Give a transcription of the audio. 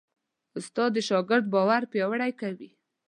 استاد د شاګرد باور پیاوړی کوي.